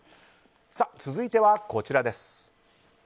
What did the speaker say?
続いてはこちらです。